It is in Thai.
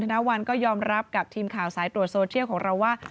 นาวัลก็ยอมรับกับทีมข่าวสายตรวจโซเทียลของเราว่า